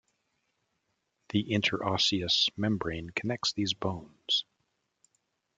The interosseous membrane connects these bones.